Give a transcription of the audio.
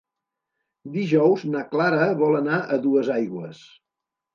Dijous na Clara vol anar a Duesaigües.